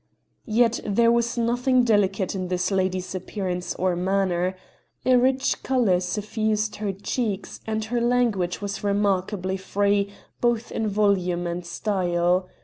Yet there was nothing delicate in this lady's appearance or manner. A rich colour suffused her cheeks, and her language was remarkably free both in volume and style.